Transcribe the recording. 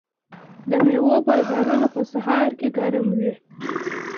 د میوو بازارونه په سهار کې ګرم وي.